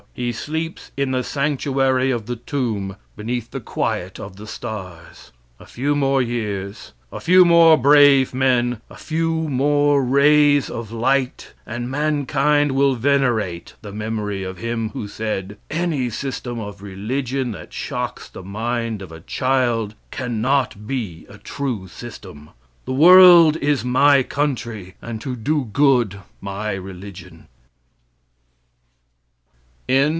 He sleeps in the sanctuary of the tomb, beneath the quiet of the stars. A few more years, a few more brave men, a few more rays of light, and mankind will venerate the memory of him who said: "Any system of religion that shocks the mind of a child can not be a true system. The world is my country, and to do good my religion."